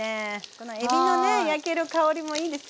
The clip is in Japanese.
このえびのね焼ける香りもいいですよね。